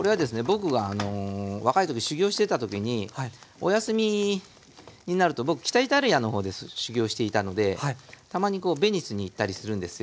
僕が若い時修業してた時にお休みになると僕北イタリアのほうで修業していたのでたまにこうベニスに行ったりするんですよ